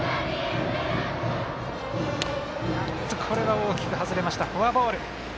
大きく外れました、フォアボール。